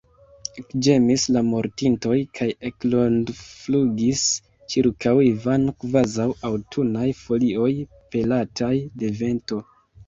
Ekĝemis la mortintoj kaj ekrondflugis ĉirkaŭ Ivano, kvazaŭ aŭtunaj folioj, pelataj de vento.